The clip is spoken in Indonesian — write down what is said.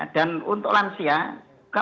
dan untuk lansia